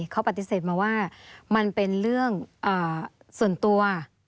เขาปฏิเสธมาว่ามันเป็นเรื่องส่วนตัว